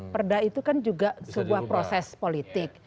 perda itu kan juga sebuah proses politik